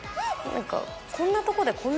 こんなとこで。